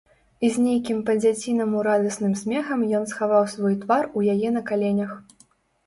І з нейкім па-дзяцінаму радасным смехам ён схаваў свой твар у яе на каленях.